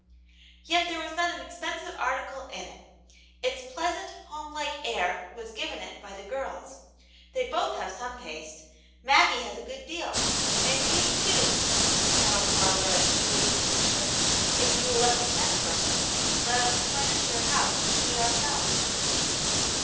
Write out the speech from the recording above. " Yet there is not an expensive article in it. Its pleasant, home like air was given it by the girls. They have both some taste •, M^^^g^v^ V*^^ ^ N|<:i^^ 98 Atmi Janets Hero. deal, and you, too, can have a parlour ' as pretty as a picture,' if you will let me send for her and let us furnish your house to suit ourselves."